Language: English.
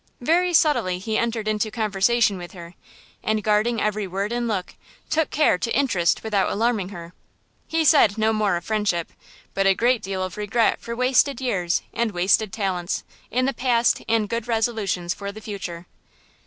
Very subtly he entered into conversation with her, and, guarding every word and look, took care to interest without alarming her. He said no more of friendship, but a great deal of regret for wasted years and wasted talents in the past and good resolutions for the future.